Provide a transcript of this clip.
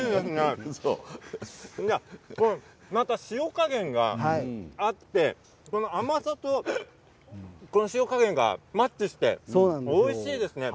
また、塩加減があって甘さと塩加減がマッチしておいしいですね。